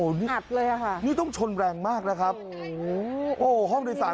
อัดเลยค่ะนี่ต้องชนแรงมากนะครับโอ้โฮห้องด้วยสาย